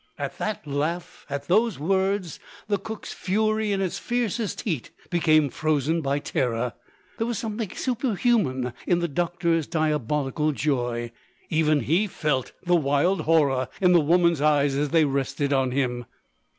At that laugh, at those words, the cook's fury in its fiercest heat became frozen by terror. There was something superhuman in the doctor's diabolical joy. Even he felt the wild horror in the woman's eyes as they rested on him.